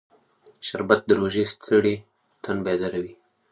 شربت د روژې ستړی تن بیداروي